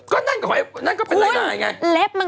ก็เป็นเรื่องหน้าที่แน่